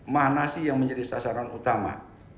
mahasiswa yang menjadi sasaran utama